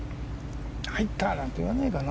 入った！なんて言わないかな。